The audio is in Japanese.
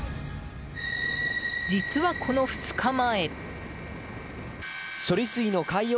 実は、この２日前。